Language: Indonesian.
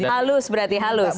halus berarti halus